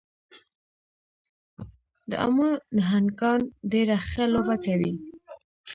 د امو نهنګان ډېره ښه لوبه کوي.